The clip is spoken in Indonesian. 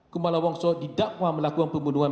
kumala wongso didakwa melakukan pembunuhan